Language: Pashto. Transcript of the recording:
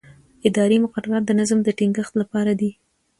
اداري مقررات د نظم د ټینګښت لپاره دي.